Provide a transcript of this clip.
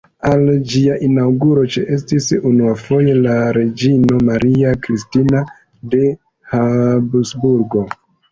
Al ĝia inaŭguro ĉeestis unuafoje la reĝino Maria Kristina de Habsburgo.